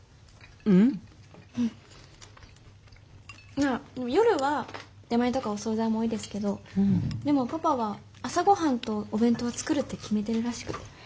まあ夜は出前とかお総菜も多いですけどでもパパは朝ごはんとお弁当は作るって決めてるらしくて。